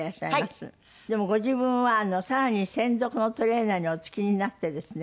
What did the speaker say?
でもご自分は更に専属のトレーナーにお付きになってですね